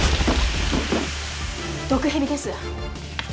毒蛇です。